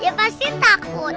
dia pasti takut